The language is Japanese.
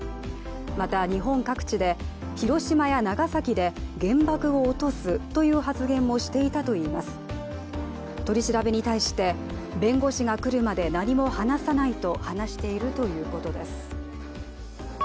また、日本各地で広島や長崎で原爆を落とすという発言をしていたといいます取り調べに対して弁護士が来るまで何も話さないと話しているということです。